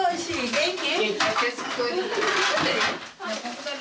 元気。